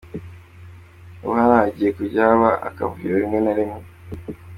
Ubu hano hagiye kujya haba akavuyo rimwe na rimwe.